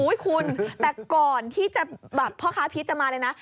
โอ้ยคุณแต่ก่อนที่พ่อค้าพีชจะมาเลยนะ